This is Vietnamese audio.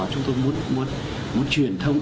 chúng tôi muốn truyền thông